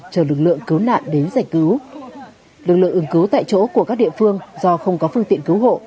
chờ lực lượng cứu nạn đến giải cứu lực lượng ứng cứu tại chỗ của các địa phương do không có phương tiện cứu hộ